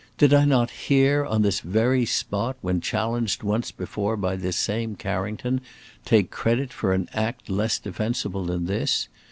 Did I not here, on this very spot, when challenged once before by this same Carrington, take credit for an act less defensible than this?